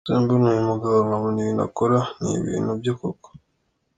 Nakuze mbona uyu mugabo, nkabona ibintu akora ni ibintu bye koko.